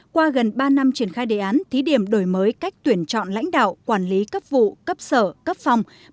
qua gần ba năm triển khai đề án thí điểm đổi mới cách tuyển chọn lãnh đạo quản lý cấp vụ cấp sở cấp phòng